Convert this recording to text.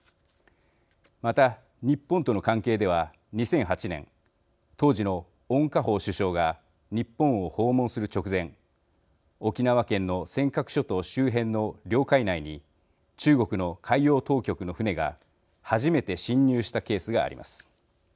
また、日本との関係では２００８年、当時の温家宝首相が日本を訪問する直前沖縄県の尖閣諸島周辺の領海内に中国の海洋当局の船が初めて侵入したケースがあります。